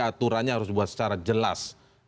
aturannya harus dibuat secara jelas